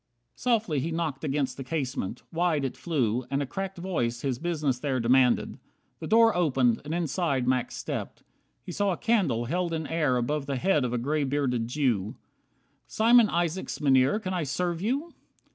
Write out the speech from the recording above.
62 Softly he knocked against the casement, wide It flew, and a cracked voice his business there Demanded. The door opened, and inside Max stepped. He saw a candle held in air Above the head of a gray bearded Jew. "Simeon Isaacs, Mynheer, can I serve You?"